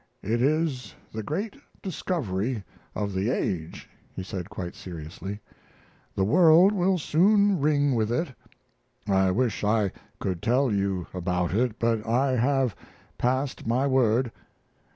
"It is the great discovery of the age," he said, quite seriously. "The world will soon ring with it. I wish I could tell you about it, but I have passed my word.